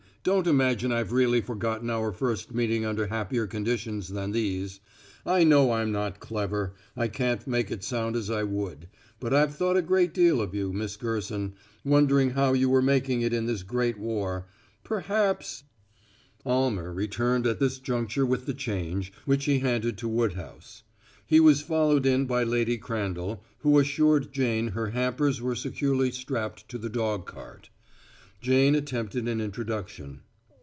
Don't imagine I've really forgotten our first meeting under happier conditions than these. I know I'm not clever I can't make it sound as I would but I've thought a great deal of you, Miss Gerson wondering how you were making it in this great war. Perhaps " Almer returned at this juncture with the change, which he handed to Woodhouse. He was followed in by Lady Crandall, who assured Jane her hampers were securely strapped to the dog cart. Jane attempted an introduction.